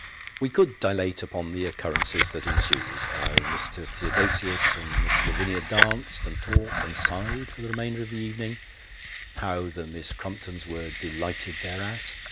We could dilate upon the occurrences that ensued. How Mr. Theodosius and Miss Lavinia danced, and talked, and sighed for the remainder of the evening how the Miss Crumptons were delighted thereat.